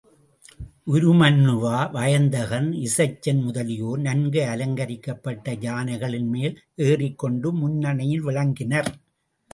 உருமண்ணுவா, வயந்தகன், இசைச்சன் முதலியோர் நன்கு அலங்கரிக்கப்பட்ட யானைகளின்மேல் ஏறிக்கொண்டு முன்னணியில் விளங்கினர்.